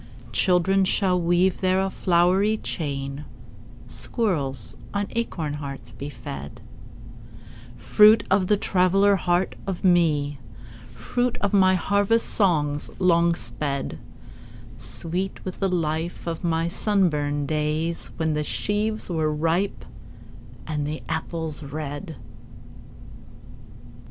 Children shall weave there a flowery chain, Squirrels on acorn hearts be fed:— Fruit of the traveller heart of me, Fruit of my harvest songs long sped: Sweet with the life of my sunburned days When the sheaves were ripe, and the apples red.